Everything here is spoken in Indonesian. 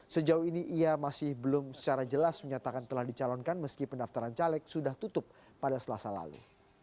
sejauh ini ia masih belum secara jelas menyatakan telah dicalonkan meski pendaftaran caleg sudah tutup pada selasa lalu